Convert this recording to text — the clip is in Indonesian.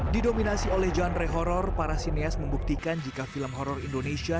didominasi oleh genre horror para sineas membuktikan jika film horror indonesia